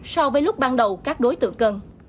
so với lúc ban đầu các đối tượng cân